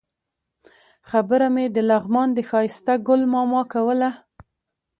خبره مې د لغمان د ښایسته ګل ماما کوله.